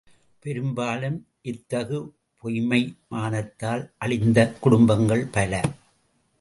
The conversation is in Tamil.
பெரும்பாலும் இத்தகு பொய்ம்மை மானத்தால் அழிந்த குடும்பங்கள் பல!